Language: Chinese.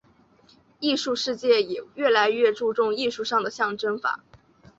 艺术世界也越来越注重艺术上的象征法。